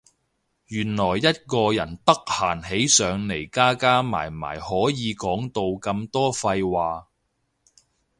原來一個人得閒起上嚟加加埋埋可以講到咁多廢話